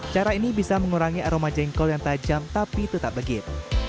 cara ini bisa mengurangi aroma jengkol yang tajam tapi tetap legit